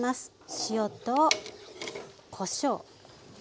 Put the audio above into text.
塩とこしょう。